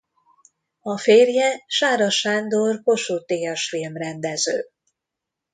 A férje Sára Sándor Kossuth-díjas filmrendező.